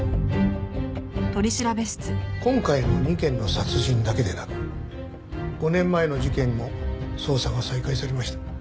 今回の２件の殺人だけでなく５年前の事件も捜査が再開されました。